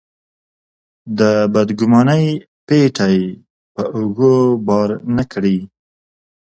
د بدګمانۍ پېټی په اوږو بار نه کړي.